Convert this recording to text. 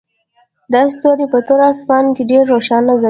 دا ستوري په تور اسمان کې ډیر روښانه ځلیږي